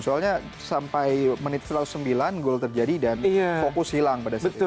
soalnya sampai menit satu ratus sembilan goal terjadi dan fokus hilang pada saat itu